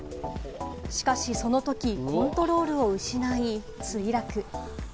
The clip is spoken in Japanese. しかしそのときコントロールを失い、墜落。